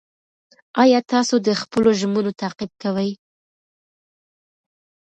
ایا تاسو د خپلو ژمنو تعقیب کوئ؟